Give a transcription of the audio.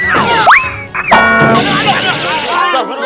aduh aduh aduh